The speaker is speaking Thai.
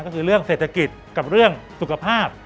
ก็คือเรื่องเศรษฐกิจกับเรื่องสุขภาพ